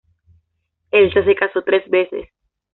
Elsa se casó tres veces.